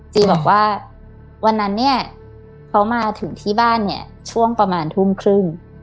บอกว่าวันนั้นเนี่ยเขามาถึงที่บ้านเนี่ยช่วงประมาณทุ่มครึ่ง